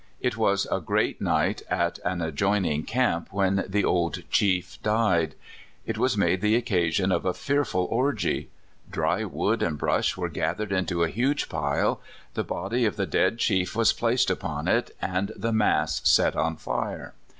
It was a great night at an adjoining camp when the old chief died. It was made the occasion of a fearful orgy. Dry wood and brush were gathered into a huge pile, the body of the dead chief was placed upon it, and the mass set on fire.